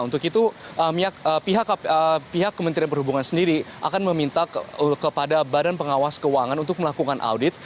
untuk itu pihak kementerian perhubungan sendiri akan meminta kepada badan pengawas keuangan untuk melakukan audit